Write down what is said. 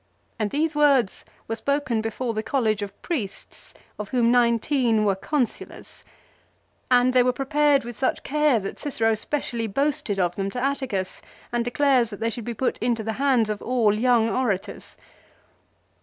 And these words were spoken before the College of Priests, of whom nineteen were Consulars ! And they were prepared with such care that Cicero specially boasted of them to Atticus ; and declares that they should be put into the VOL. n. c 18 LIFE OF CICERO. hands of all young orators.